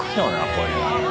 これはな。